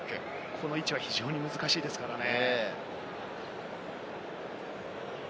この位置は非常に難しいですからね。